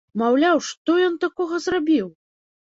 Маўляў, што ён такога зрабіў?